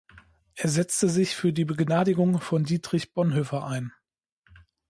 Er setzte sich für die Begnadigung von Dietrich Bonhoeffer ein.